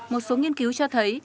một số nghiên cứu cho thấy